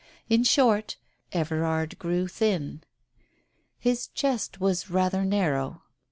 In short, Everard grew thin. His chest was rather narrow.